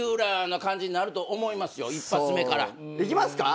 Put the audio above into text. いきますか？